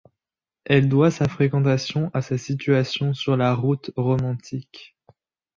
Elle doit sa fréquentation à sa situation sur la Route romantique.